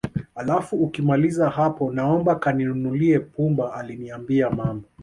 Alafu ukimaliza hapo naomba kaninunulie pumba alinambia mama